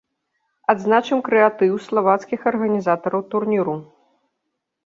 Адзначым крэатыў славацкіх арганізатараў турніру.